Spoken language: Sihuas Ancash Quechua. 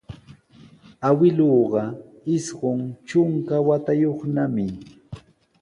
Awkilluuqa isqun trunka watayuqnami.